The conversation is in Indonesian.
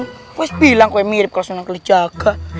aku bilang kau mirip karusunan keli caka